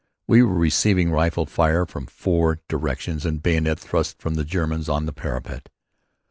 We were receiving rifle fire from four directions and bayonet thrusts from the Germans on the parapet.